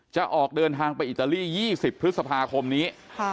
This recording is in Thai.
จะออกเดินทางไปอิตาลี๒๐พฤษภาคมนี้